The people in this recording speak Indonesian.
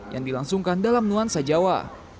yang dilangsungkan dalam nuansa jawa